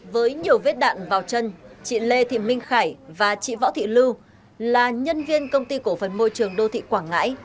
với nhiều vết đạn vào chân chị lê thị minh khải và chị võ thị lưu là nhân viên công ty cổ phần môi trường đô thị quảng ngãi